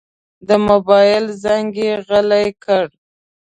د موبایل زنګ یې غلی کړ.